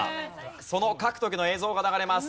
その書く時の映像が流れます。